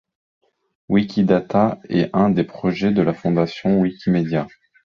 Wikidata est un des projets de la fondation Wikimédia.